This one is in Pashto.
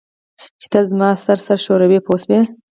چې تل زما سره سر ښوروي پوه شوې!.